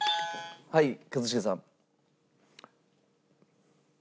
はい一茂さん。